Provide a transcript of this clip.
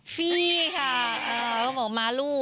ฟรีค่ะบอกมารู